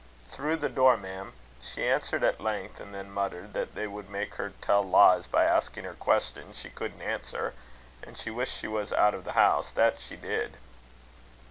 "Through the door, ma'am," she answered at length; and then muttered, that they would make her tell lies by asking her questions she couldn't answer; and she wished she was out of the house, that she did.